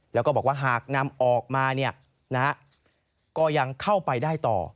แล้วก็บอกว่าหากนำออกมาก็ยังเข้าไปได้ต่อ